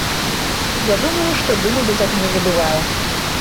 Я думаю, што дыму без агню не бывае.